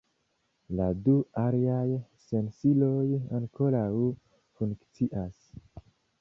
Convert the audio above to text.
La du aliaj sensiloj ankoraŭ funkcias.